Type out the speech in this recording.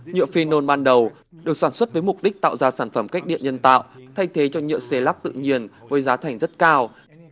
nhựa phenol ban đầu được sản xuất với mục đích tạo ra sản phẩm cách điện nhân tạo thay thế cho nhựa xây lắp tự nhiên với giá thành rất cao